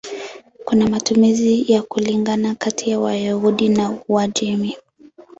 Kuna matumizi ya kulingana kati ya Wayahudi wa Uajemi.